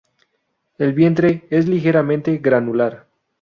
El vientre es ligeramente granular.